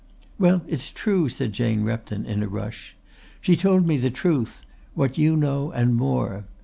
"Well, it's true," said Jane Repton in a rush. "She told me the truth what you know and more.